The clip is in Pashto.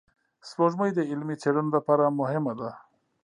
سپوږمۍ د علمي څېړنو لپاره مهمه ده